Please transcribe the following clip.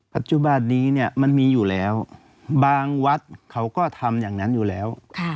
ปัจจุบันนี้เนี่ยมันมีอยู่แล้วบางวัดเขาก็ทำอย่างนั้นอยู่แล้ว